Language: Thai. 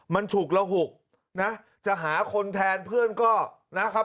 มันถูกแล้วหุกจะหาคนแทนเพื่อนก็นะครับ